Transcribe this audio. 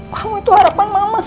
kamu itu harapan mama satu satunya